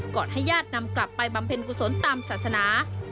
ให้ญาตินำกลับไปบำเพ็ญกุศลตามศาสนา